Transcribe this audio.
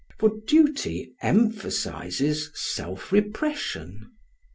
For duty emphasises self repression.